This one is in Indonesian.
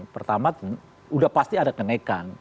pertama sudah pasti ada kenaikan